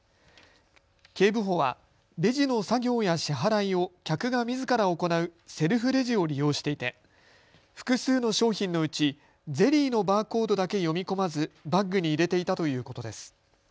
警部補はレジの作業や支払いを客がみずから行うセルフレジを利用していて複数の商品のうちゼリーのバーコードだけ読み込まずバッグに入れていたということです。